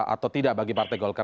atau tidak bagi partai golkar